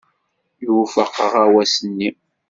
Iwufeq aɣawas-nni?